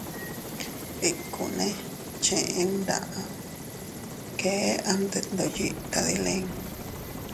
Ikkune cheʼe mdaʼa, kee am detndoʼo yiʼi tadilin.